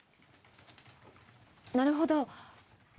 なるほど。